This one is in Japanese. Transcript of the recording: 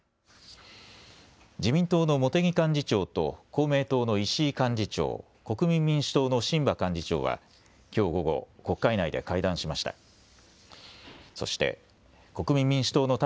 自民党の茂木幹事長と公明党の石井幹事長、国民民主党の榛葉幹事長はきょう午後、国会内で会談しました。